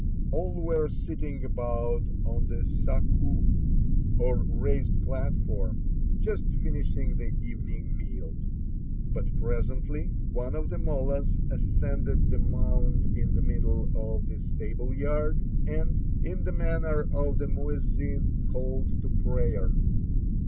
All were sitting about on the sakoo, or raised platform, just finishing the evening meal. But presently one of the mollas ascended the mound in the middle of the stable yard, and in the manner of the muezzin called to prayer.